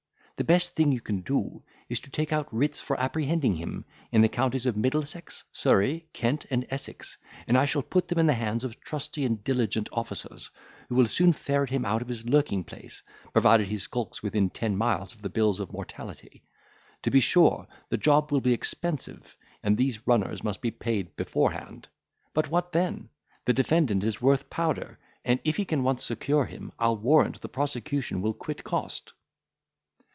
The best thing you can do, is to take out writs for apprehending him, in the counties of Middlesex, Surrey, Kent, and Essex, and I shall put them in the hands of trusty and diligent officers, who will soon ferret him out of his lurking place, provided he skulks within ten miles of the bills of mortality. To be sure, the job will be expensive; and all these runners must be paid beforehand. But what then? the defendant is worth powder, and if we can once secure him, I'll warrant the prosecution will quit cost."